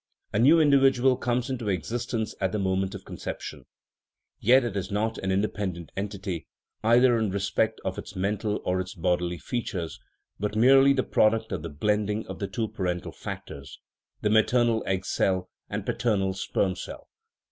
A new individual comes into existence at the moment of conception; yet it is not an independent entity, either in respect of its mental or its bodily feat ures, but merely the product of the blending of the two parental factors, the maternal egg cell and paternal sperm cell.